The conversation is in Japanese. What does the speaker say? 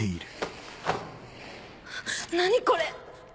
何これ！